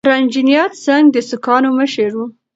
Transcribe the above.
رنجیت سنګ د سکانو مشر و.